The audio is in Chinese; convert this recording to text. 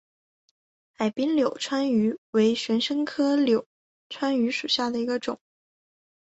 海滨柳穿鱼为玄参科柳穿鱼属下的一个种。